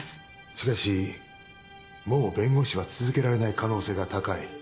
・しかしもう弁護士は続けられない可能性が高い。